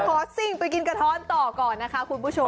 ขอซิ่งไปกินกระท้อนต่อก่อนนะคะคุณผู้ชม